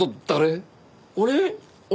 俺？